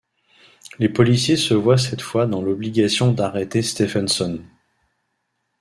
Les policiers se voient cette fois dans l'obligation d'arrêter Stephenson.